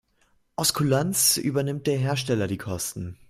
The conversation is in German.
Aus Kulanz übernimmt der Hersteller die Kosten.